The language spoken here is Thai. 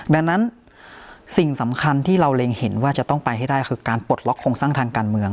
ดังนั้นสิ่งสำคัญที่เราเล็งเห็นว่าจะต้องไปให้ได้คือการปลดล็อกโครงสร้างทางการเมือง